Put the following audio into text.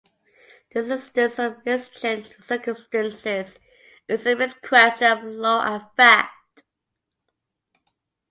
The existence of exigent circumstances is a mixed question of law and fact.